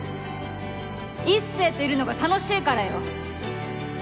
壱成といるのが楽しいからよ